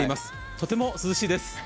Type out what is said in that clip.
とても涼しいです。